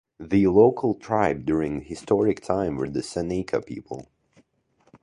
The local tribe during historic time were the Seneca people.